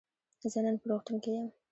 زه نن په روغتون کی یم.